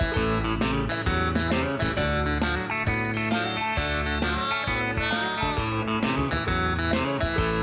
โอ้โฮ